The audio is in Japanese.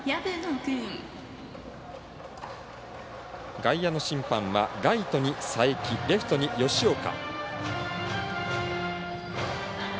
外野の審判はライトに佐伯、レフトに吉岡。